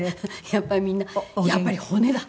やっぱりみんなやっぱり骨だ！